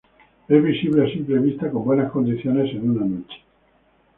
Es visible a simple vista con buenas condiciones en una noche.